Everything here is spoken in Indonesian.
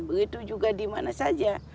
begitu juga dimana saja